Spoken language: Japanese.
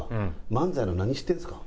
漫才の何知ってんですか？